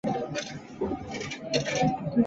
常常说话尖酸刻薄